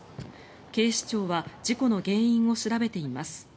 警視庁は事故の原因を調べています。